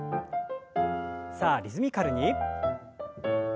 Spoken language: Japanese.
さあリズミカルに。